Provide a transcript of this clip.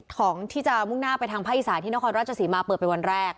ของที่จะมุ่งหน้าไปทางภาคอีสานที่นครราชศรีมาเปิดเป็นวันแรก